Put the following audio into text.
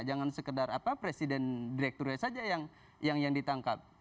jangan sekedar presiden direktur saja yang ditangkap